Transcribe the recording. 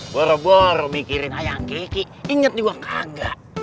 boroboro mikirin ayang keki inget juga kagak